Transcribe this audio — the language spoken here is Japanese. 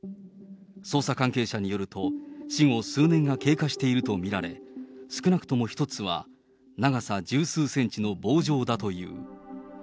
捜査関係者によると、死後数年が経過していると見られ、少なくとも１つは長さ十数センチの棒状だという。